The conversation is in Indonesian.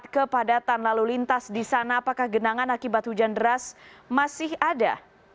kepadatan lalu lintas di sana apakah genangan akibat hujan deras masih ada